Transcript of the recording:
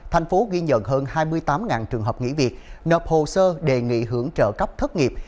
thành phố ghi nhận hơn hai mươi tám trường hợp nghỉ việc nộp hồ sơ đề nghị hưởng trợ cấp thất nghiệp